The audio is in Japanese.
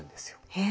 へえ。